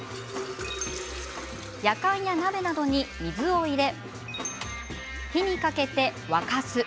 やかんや鍋などに水を入れ火にかけて沸かす。